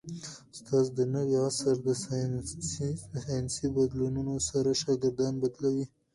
استاد د نوي عصر د ساینسي بدلونونو سره شاګردان بلدوي.